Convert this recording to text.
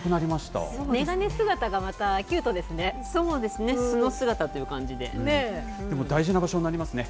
眼鏡姿が、また、キュートでそうですね、素の姿という感でも大事な場所になりますね。